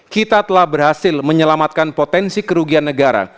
kita telah berhasil menyelamatkan potensi kerugian negara